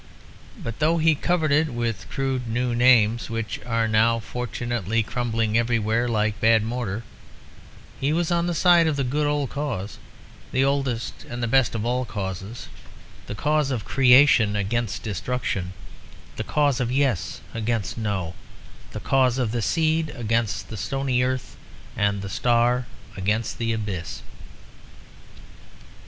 But though he covered it with crude new names (which are now fortunately crumbling everywhere like bad mortar) he was on the side of the good old cause; the oldest and the best of all causes, the cause of creation against destruction, the cause of yes against no, the cause of the seed against the stony earth and the star against the abyss.